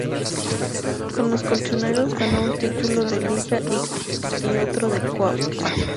Con los colchoneros ganó un título de Liga y otro de Copa.